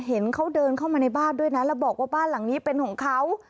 เห็นเขาเดินเข้ามาในบ้านด้วยนะแล้วบอกว่าบ้านหลังนี้เป็นของเขา